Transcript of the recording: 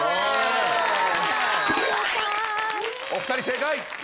お二人正解！